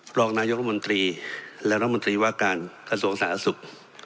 ปรองนายกรมนตรีและรัฐมนตรีว่าการสถานศาสตร์สุข